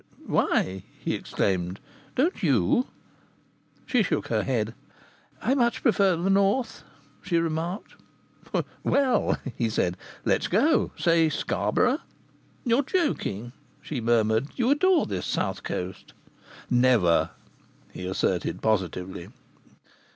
"Why!" he exclaimed. "Don't you?" She shook her head. "I much prefer the north," she remarked. "Well," he said, "let's go. Say Scarborough." "You're joking," she murmured. "You adore this south coast." "Never!" he asserted positively.